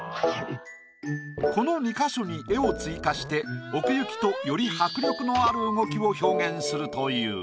この２か所に絵を追加して奥行きとより迫力のある動きを表現するという。